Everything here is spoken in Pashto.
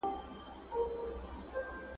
کېدای سي ليکلي پاڼي ګډ وي